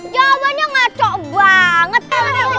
jawabannya ngaco banget